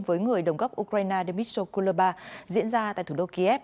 với người đồng góp ukraine dmytro kulubar diễn ra tại thủ đô kiev